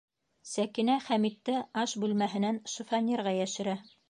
Сәкинә Хәмитте аш бүлмәһенән шифоньерға йәшерә.